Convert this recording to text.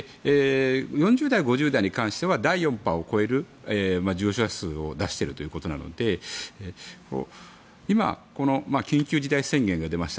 ４０代、５０代に関しては第４波を超える重症者数を出しているということなので今、緊急事態宣言が出ました。